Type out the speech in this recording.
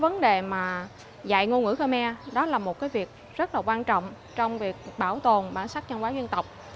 vấn đề dạy ngôn ngữ khmer là một việc rất quan trọng trong việc bảo tồn bản sắc chân quả dân tộc